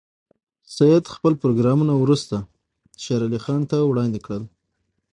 سید خپل پروګرامونه وروسته شېر علي خان ته وړاندې کړل.